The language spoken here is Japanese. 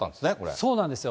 そうなんですよ。